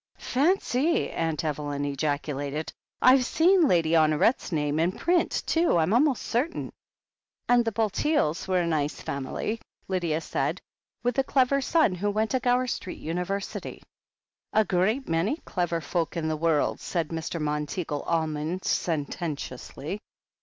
"Fancy !" Aunt Evelyn ejaculated. "I've seen Lady Honoret's name in print, too, I'm almost certain." And the Bulteels were a nice family, Lydia said, with a clever son who went to Gower Street Univer sity. 2o6 THE HEEL OF ACHILLES "A great many clever folk in the world/* said Mr. Monteagle Almond sententiously.